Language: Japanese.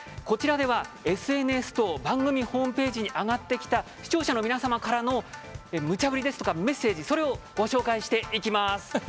こちらではＳＮＳと番組ホームページに上がってきた視聴者の皆様からのムチャぶりですとかメッセージ、それをご紹介していきます。